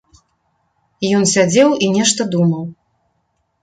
Ён сядзеў і нешта думаў.